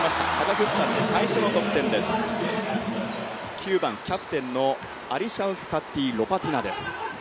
９番、キャプテンのアリシャウスカイテロパティナです。